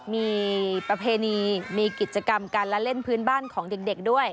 มีประเพณีมีกิจกรรมการละเล่นพื้นบ้านของเด็กด้วย